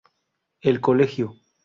El colegio.